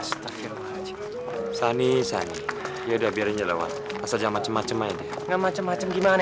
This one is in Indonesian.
sdj ya udah biarin sat w telepon saja macem macem lagi yg macem macem gimana